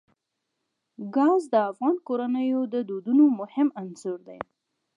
ګاز د افغان کورنیو د دودونو مهم عنصر دی.